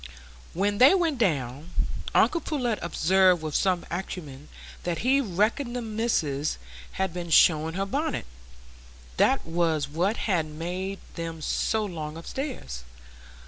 When they went down, uncle Pullet observed, with some acumen, that he reckoned the missis had been showing her bonnet,—that was what had made them so long upstairs.